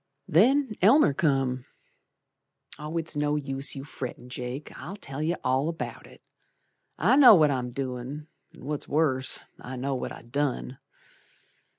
Then Elmer come. It's no use your frettin', Jake, I'll tell you all about it. I know what I'm doin', An' what's worse, I know what I done.